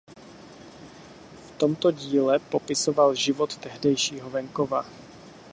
V tomto díle popisoval život tehdejšího venkova.